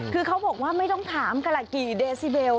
คือเขาบอกว่าไม่ต้องถามกะละกี่เดซิเบล